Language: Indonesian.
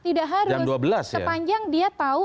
tidak harus sepanjang dia tahu